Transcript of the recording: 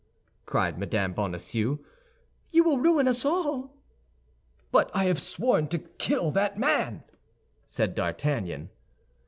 cried Mme. Bonacieux; "you will ruin us all!" "But I have sworn to kill that man!" said D'Artagnan.